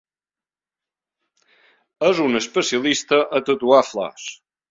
És un especialista a tatuar flors.